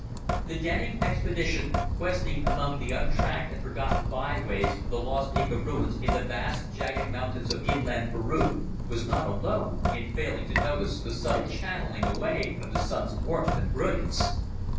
The Denning expedition, questing among the untracked and forgotten byways of the lost Inca ruins in the vast, jagged mountains of inland Peru, was not alone in failing to notice the subtle channeling away of the Sun's warmth and brilliance.